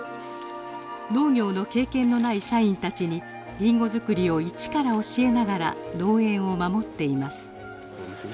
農業の経験のない社員たちにリンゴ作りを一から教えながら農園を守っています。